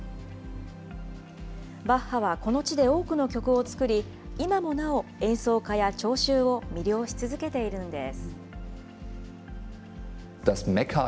バッハはこの地で多くの曲を作り、今もなお、演奏家や聴衆を魅了し続けているんです。